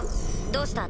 どうした？